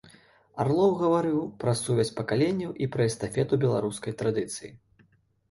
Арлоў гаварыў пра сувязь пакаленняў і пра эстафету беларускай традыцыі.